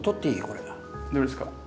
どれですか？